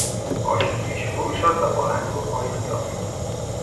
با شوخی شروع شد و با اندوه پایان یافت.